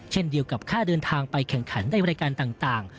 เช่นเดียวกับค่าเดินทางไปแข่งขันในรายการต่าง